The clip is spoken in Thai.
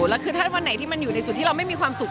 แล้วคือถ้าวันไหนที่มันอยู่ในจุดที่เราไม่มีความสุข